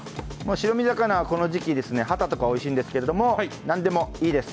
白身魚はこの時期、ハタとかおいしいんですけど、何でもいいです。